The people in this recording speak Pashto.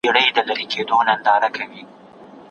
مور مې د ډوډۍ لپاره دسترخوان هوار کړی و.